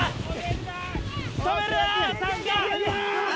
止めるな！